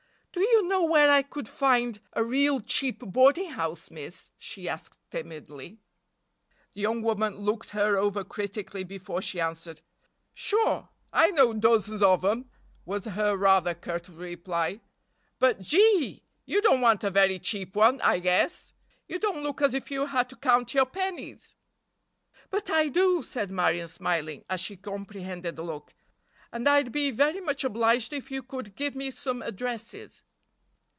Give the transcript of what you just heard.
"Do you know where I could find a real cheap boarding house, miss?" she asked timidly. The young woman looked her over critically before she answered. "Sure! I know dozens of 'em," was her rather curt reply. "But, Gee! you don't want a very cheap one, I guess! You don't look as if you had to count your pennies!" "But I do," said Marion, smiling, as she comprehended the look: "and I'd be very much obliged if you could give me some addresses."